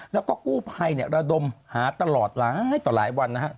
แล้วก็กู้ไพรเราดมหาตลอดล้ายต่อหลายวันครับ